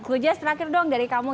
lu jess terakhir dong dari kamu